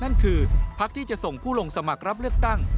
นั่นคือพักที่จะส่งผู้ลงสมัครรับเลือกตั้ง